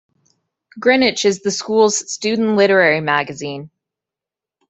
"Greenwitch" is the school's student literary magazine.